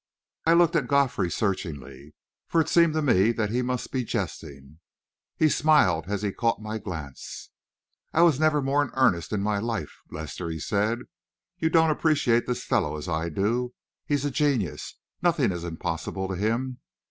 I looked at Godfrey searchingly, for it seemed to me that he must be jesting. He smiled as he caught my glance. "I was never more in earnest in my life, Lester," he said. "You don't appreciate this fellow as I do. He's a genius; nothing is impossible to him.